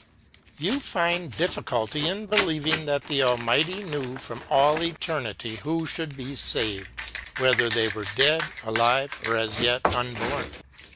You find difficulty in believing that the Almighty knew from all eternity who should be saved, whether they were already dead, alive, or as yet unborn.